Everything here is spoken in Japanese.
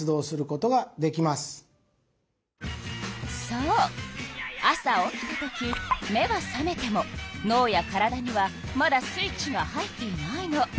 そう朝起きた時目は覚めてものうや体にはまだスイッチが入っていないの。